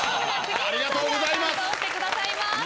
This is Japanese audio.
ありがとうございます。